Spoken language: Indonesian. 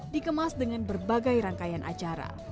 dikemas dengan berbagai rangkaian acara